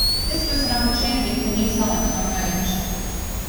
This was an opportunity for new talent to emerge.